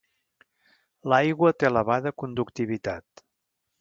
L'aigua té elevada conductivitat.